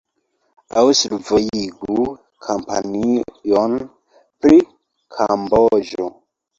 Aŭ survojigu kampanjon pri Kamboĝo.